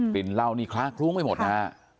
ปลินเหล้านี่คล้าคลุ้งไม่หมดนะ